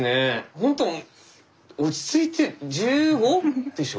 ほんと落ち着いて１５？でしょ？